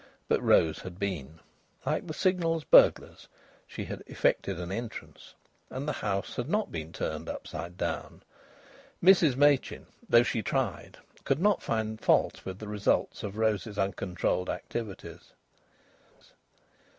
But Rose had been. Like the Signal's burglars, she had "effected an entrance." And the house had not been turned upside down. Mrs Machin, though she tried, could not find fault with the result of Rose's uncontrolled activities.